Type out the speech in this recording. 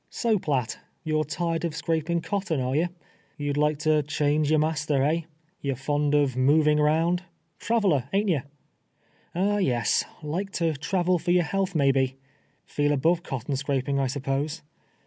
'' So, Phitt, you're tired of scraping cotton, are you? You would like to change your master, eh? You're fund ut" moving round — traveler — ain't ye? Ah, yes — like to travel for your health, may be? Feel above cotton scraping, I 'spose.